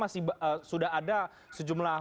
masih sudah ada sejumlah